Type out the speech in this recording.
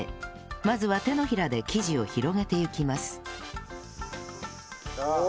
まずは手のひらで生地を広げていきます